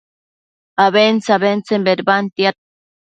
abentse-abentsen bedbantiad